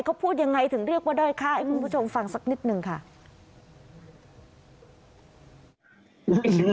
เขาพูดยังไงถึงเรียกว่าด้อยค่าให้คุณผู้ชมฟังสักนิดนึงค่ะ